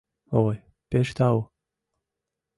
— Ой, пеш тау!